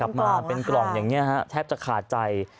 มาเป็นกล่องอย่างนี้ฮะแทบจะขาดใจ